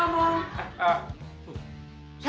ah om di sini ya